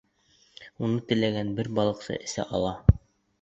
Уны теләгән бер балыҡсы эсә ала.